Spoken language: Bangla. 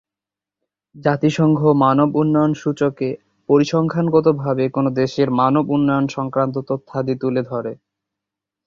জাতিসংঘ মানব উন্নয়ন সূচকে পরিসংখ্যানগতভাবে কোন দেশের মানব উন্নয়ন সংক্রান্ত তথ্যাদি তুলে ধরে।